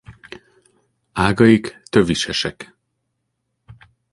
Ágaik tövisesek.